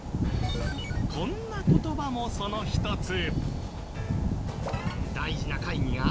こんな言葉もその一つ。